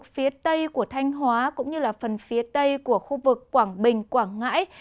phía tây của thanh hóa cũng như phần phía tây của khu vực quảng bình quảng ngãi